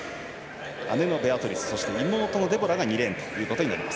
姉のベアトリス妹のデボラが２レーン。